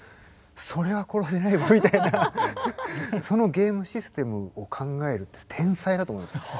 そのゲームシステムを考えるって天才だと思います。